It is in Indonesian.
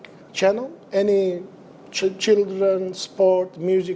segala channel kegiatan sport musik